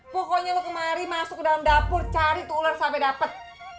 pokoknya lo kemari masuk ke dalam dapur cari tuh ular sampe dapet